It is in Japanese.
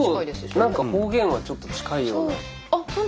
何か方言はちょっと近いような。